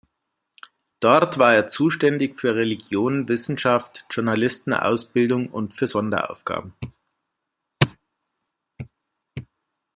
Dort war er zuständig für Religion, Wissenschaft, Journalisten-Ausbildung und für Sonderaufgaben.